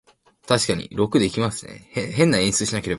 There are two separate blocks for male and female.